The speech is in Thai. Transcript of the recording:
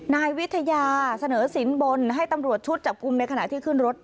นายวิทยาเสนอสินบนให้ตำรวจชุดจับกลุ่มในขณะที่ขึ้นรถ